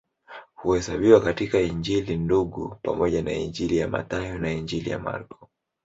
Huhesabiwa kati ya Injili Ndugu pamoja na Injili ya Mathayo na Injili ya Marko.